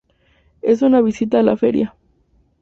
En una visita a la feria.